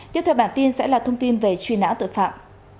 tiếp theo bản tin sẽ là thông tin về truy nã tội phạm